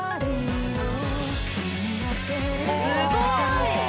すごい。